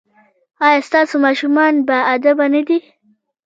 ایا ستاسو ماشومان باادبه نه دي؟